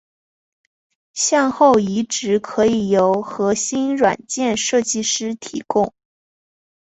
向后移植可以由核心软件设计师提供。